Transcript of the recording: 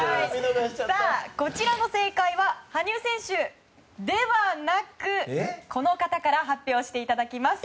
こちらの正解は羽生選手ではなくこの方から発表していただきます。